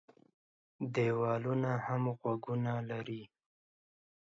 ديوالونه هم غوږونه لري.